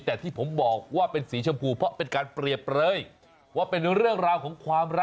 แต่ที่ผมบอกว่าเป็นสีชมพูเพราะเป็นการเปรียบเปลยว่าเป็นเรื่องราวของความรัก